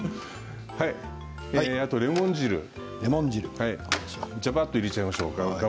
あとは、レモン汁ジャバっと入れちゃいましょう。